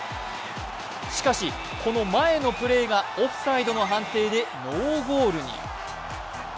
しかしこの前のゴールがオフサイドの判定でノーゴール。